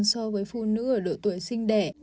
so với phụ nữ ở độ tuổi sinh đẻ